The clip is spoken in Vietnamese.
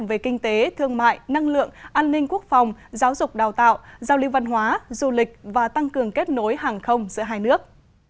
về kinh tế thương mại năng lượng an ninh quốc phòng giáo dục đào tạo giao lưu văn hóa du lịch và tăng cường kết nối hàng không giữa hai nước